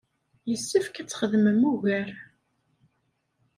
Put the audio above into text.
Yessefk ad txedmem ugar.